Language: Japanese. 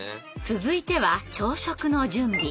続いては朝食の準備。